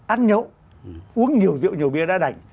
ăn nhậu uống nhiều rượu nhiều bia đã đành